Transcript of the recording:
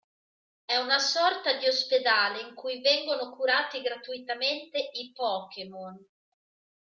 È una sorta di ospedale in cui vengono curati gratuitamente i Pokémon.